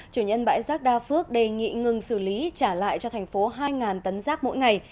chủ nhân bãi rác đa phước đề nghị ngừng xử lý trả lại cho thành phố hai tấn rác mỗi ngày